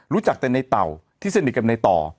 รู้จักแต่ในเต่าที่สนิทกับในต่อ